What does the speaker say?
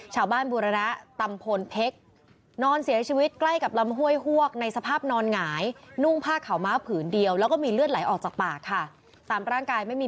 ชาวบ้านบุรระระตำพลเผ็ก